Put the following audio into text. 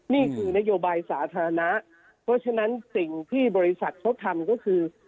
นี่คือนโยบายสาธารณะเพราะฉะนั้นสิ่งที่บริษัทเขาทำก็คือ